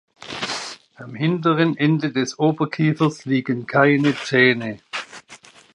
Am hinteren Ende des Oberkiefers liegen keine Zähne.